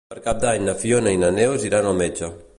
Per Cap d'Any na Fiona i na Neus iran al metge.